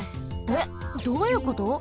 えっ？どういうこと？